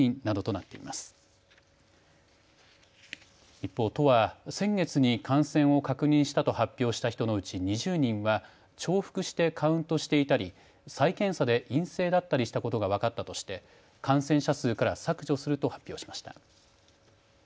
一方、都は先月に感染を確認したと発表した人のうち２０人は、重複してカウントしていたり再検査で陰性だったりしたことが分かったとして感染者数から削除すると発表しました。